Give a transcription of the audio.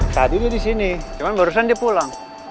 tadi udah di sini cuman barusan dia pulang